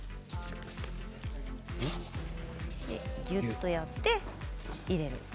ぎゅっとやって入れる。